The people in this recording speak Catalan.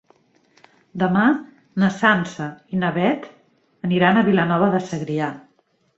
Demà na Sança i na Beth aniran a Vilanova de Segrià.